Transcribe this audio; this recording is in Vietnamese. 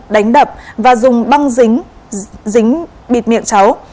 đánh đập và dùng băng dính bịt miệng cháu